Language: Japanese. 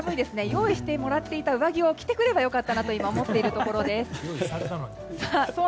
用意してもらっていた上着を着てくれば良かったと今、思っているところです。